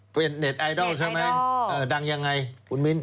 เป็นเน็ตไอดอลใช่ไหมดังยังไงคุณมิ้น